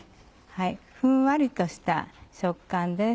ふんわりとした食感です。